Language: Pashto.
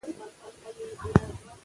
دا وسایل له لرې کنټرولېږي.